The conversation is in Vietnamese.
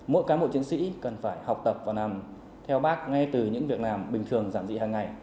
mỗi cán bộ chiến sĩ cần phải học tập và làm theo bác ngay từ những việc làm bình thường giảm dị hàng ngày